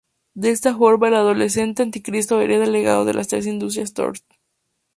De esta forma, el adolescente Anticristo hereda el legado de las Industrias Thorn.